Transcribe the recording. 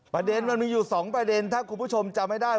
มันมีอยู่๒ประเด็นถ้าคุณผู้ชมจำไม่ได้